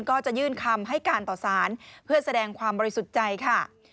ก็จะยื่นคำให้การต่อสารเพื่อแสดงความบริสุทธิ์ใจค่ะ